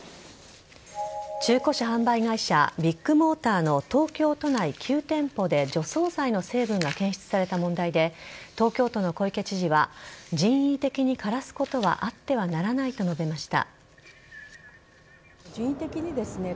中古車販売会社ビッグモーターの東京都内９店舗で除草剤の成分が検出された問題で東京都の小池知事は人為的に枯らすことはあってはならないと述べました。